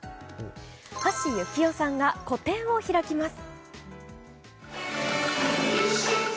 橋幸夫さんが個展を開きます。